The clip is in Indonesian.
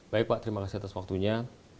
baik pak terima kasih atas waktunya